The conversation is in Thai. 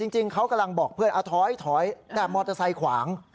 จริงเขากำลังบอกเพื่อนถอยแต่มอเตอร์ไซค์ขวาง